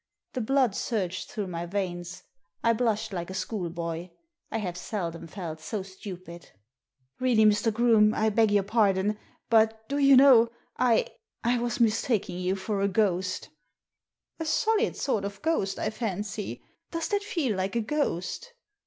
The blood surged through my veins. I blushed like a schoolboy. I have seldom felt so stupid. Really, Mr. Groome, I beg your pardon, but, do you know, I — I was mistaking you for a ghost" A solid sort of ghost, I fancy. Does that feel like a ghost?"